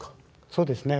そうですね。